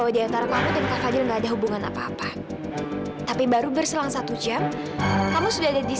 di sini bersama suami aku